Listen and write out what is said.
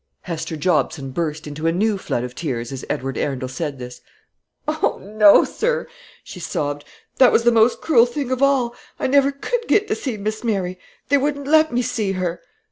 Hester Jobson burst into a new flood of tears as Edward Arundel said this. "O no, sir," she sobbed; "that was the most cruel thing of all. I never could get to see Miss Mary; they wouldn't let me see her."